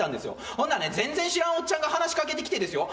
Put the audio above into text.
全然知らんおっちゃんが話しかけてきてですよ